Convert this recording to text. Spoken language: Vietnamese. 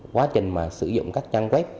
quá trình mà sử dụng các trang web